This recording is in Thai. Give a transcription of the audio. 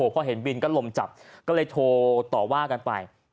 พอเห็นบินก็ลมจับก็เลยโทรต่อว่ากันไป